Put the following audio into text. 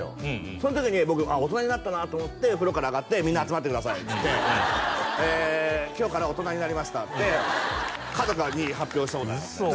その時に僕大人になったなと思って風呂から上がってみんな集まってくださいっつって「今日から大人になりました」って家族に発表したことありますね嘘！